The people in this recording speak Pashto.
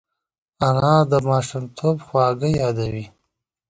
انا د ماشومتوب خواږه یادوي